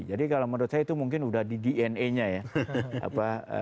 jadi kalau menurut saya itu mungkin udah di dna nya ya